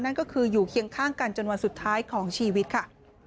นั่นก็คืออยู่เคียงข้างกันจนวันสุดท้ายของชีวิตค่ะ